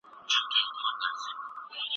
هېواد د سياسي ډلو د کشمکش له امله ورانېده.